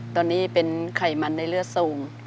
ตอนนี้เป็นไขมันในเลือดสูง